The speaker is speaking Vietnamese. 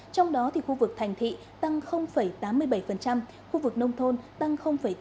trong đó khu vực thành thị tăng tám mươi bảy khu vực nông thôn tăng tám mươi chín